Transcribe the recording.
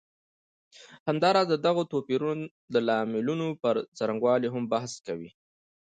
همداراز د دغو توپیرونو د لاملونو پر څرنګوالي هم بحث کوي.